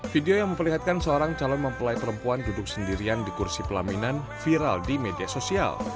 video yang memperlihatkan seorang calon mempelai perempuan duduk sendirian di kursi pelaminan viral di media sosial